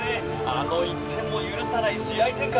あの１点も許さない試合展開